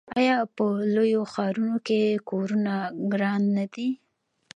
آیا په لویو ښارونو کې کورونه ګران نه دي؟